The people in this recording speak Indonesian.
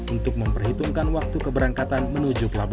untuk memperhitungkan keadaan pemerintah yang berada di dalam perjalanan